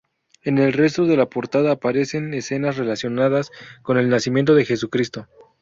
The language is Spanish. En el resto de la portada aparecen escenas relacionadas con el nacimiento de Jesucristo.